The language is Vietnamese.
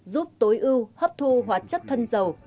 giúp tối ưu hấp thu hoạt chất thân dầu